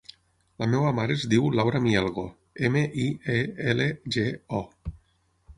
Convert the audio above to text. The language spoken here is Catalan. La meva mare es diu Laura Mielgo: ema, i, e, ela, ge, o.